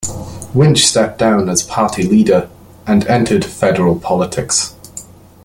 Winch stepped down as party leader, and entered federal politics.